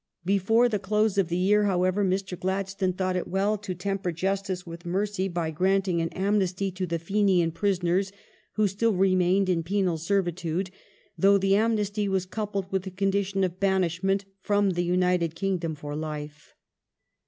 Before the close of the year, however, Mr. Gladstone thought it well to temper justice with mercy, by grant ing an amnesty to the Fenian prisonei s who still remained in penal servitude ; though the amnesty was coupled with the condi tion of banishment from the United Kingdom for life.